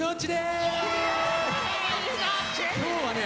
今日はね